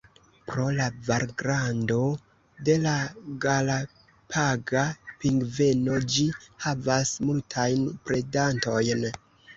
Pro la malgrando de la Galapaga pingveno, ĝi havas multajn predantojn.